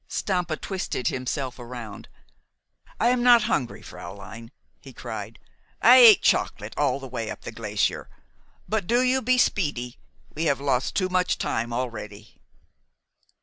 Stampa twisted himself round. "I am not hungry, fräulein," he cried. "I ate chocolate all the way up the glacier. But do you be speedy. We have lost too much time already."